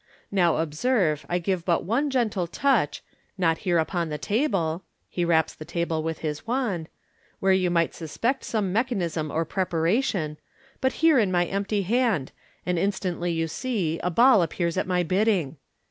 Now, observe, I give but one gentle touch, not here upon the table " (he raps the table with his wand), "where you might suspect some mechanism or preparation, but here in my empty hand, and instantly, vou see, a ball appears at my bidding.